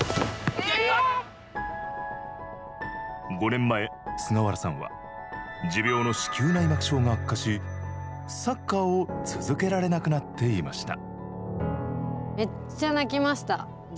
５年前、菅原さんは持病の子宮内膜症が悪化し、サッカーを続けられなくなっていました。